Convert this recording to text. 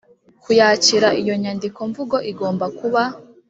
kuyakira iyo nyandikomvugo igomba kuba